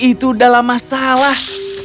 itu adalah masalah